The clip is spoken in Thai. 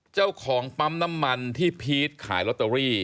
เจ้าของปั๊มน้ำมันที่พีชขายลอตเตอรี่